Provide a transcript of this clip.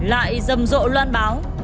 lại rầm rộ loan báo